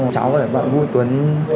cháu gọi bạn vui tuấn